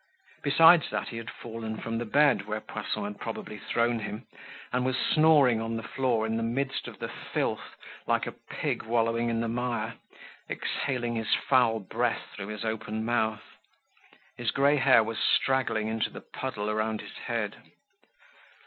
Besides that, he had fallen from the bed where Poisson had probably thrown him, and was snoring on the floor in the midst of the filth like a pig wallowing in the mire, exhaling his foul breath through his open mouth. His grey hair was straggling into the puddle around his head.